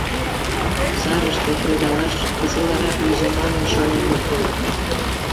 Сарыште кредалаш веселарак лийже манын шонен луктыныт.